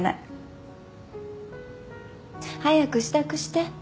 早く支度して。